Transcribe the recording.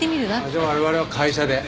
じゃあ我々は会社で。